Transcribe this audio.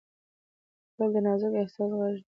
کتل د نازک احساس غږ دی